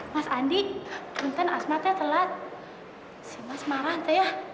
mas andi punten asmatnya telat